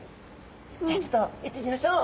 じゃあちょっといってみましょう。